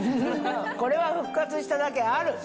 これは復活しただけある。